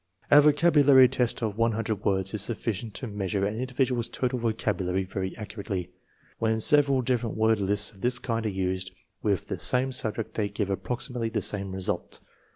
A vocabulary test of 100 words is sufficient to meas ure an individual's total vocabulary very accurately. When several different word lists of this kind are used with the same subject they give approximately the same result.